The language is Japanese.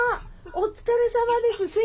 お疲れさまです。